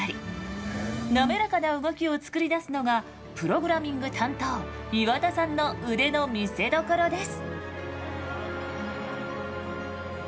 滑らかな動きを作り出すのがプログラミング担当岩田さんの腕の見せどころです。